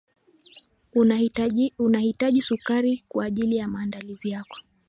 utahitaji sukari kwaajili ya maandazi yako